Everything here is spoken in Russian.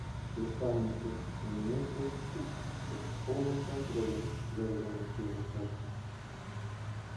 «Без паники! У меня всё, ик, под полным контролем!» — заверил нас пьяный Сашка.